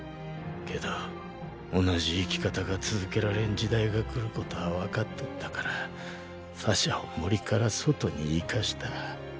けど同じ生き方が続けられん時代が来ることはわかっとったからサシャを森から外に行かした。